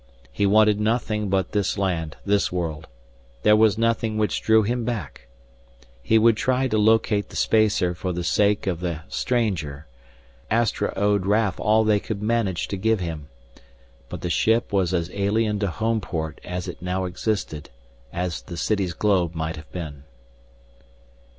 He wanted nothing but this land, this world. There was nothing which drew him back. He would try to locate the spacer for the sake of the stranger; Astra owed Raf all they could manage to give him. But the ship was as alien to Homeport as it now existed as the city's globe might have been.